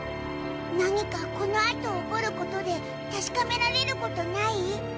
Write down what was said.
何かこの後起こることで確かめられることない？